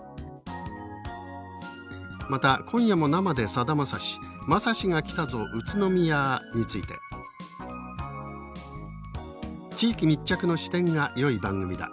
また「今夜も生でさだまさしまさしが来たぞ宇都宮ァ！」について「地域密着の視点がよい番組だ。